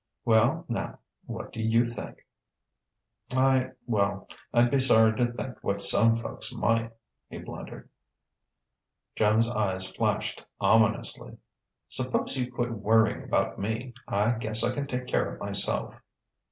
"Well, now, what do you think?" "I well, I'd be sorry to think what some folks might," he blundered. Joan's eyes flashed ominously. "Suppose you quit worrying about me; I guess I can take care of myself."